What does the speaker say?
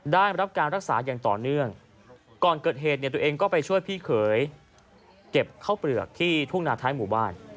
ได้รับการรักษาอย่างต่อเนื่องก่อนเกิดเหตุเนี่ยตัวเองก็ไปช่วยพี่เขยเก็บข้าวเปลือกที่ทุ่งนาท้ายหมู่บ้าน